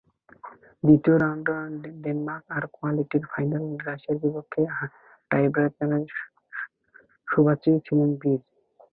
দ্বিতীয় রাউন্ডে ডেনমার্ক আর কোয়ার্টার ফাইনালে রাশিয়ার বিপক্ষে টাইব্রেকারে সুবাসিচই ছিলেন বীর।